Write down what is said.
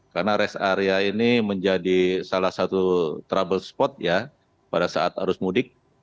karena rest area ini menjadi salah satu trouble spot ya pada saat arus mudik